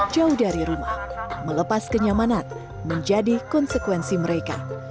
jauh dari rumah melepas kenyamanan menjadi konsekuensi mereka